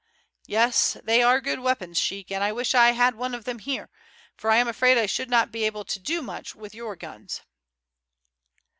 "Yes, they are good weapons, sheik, and I wish I had one of them here, for I am afraid I should not be able to do much with your guns."